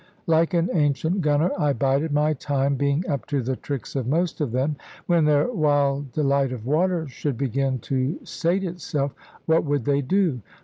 Like an ancient gunner, I bided my time, being up to the tricks of most of them. When their wild delight of water should begin to sate itself, what would they do?